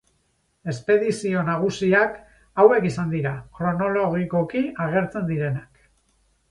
Espedizio nagusiak hauek izan dira, kronologikoki agertzen direnak.